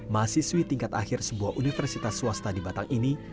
mahasiswi tingkat akhir sebuah universitas swasta di batang ini